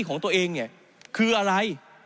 ของตัวเองเนี่ยคืออะไร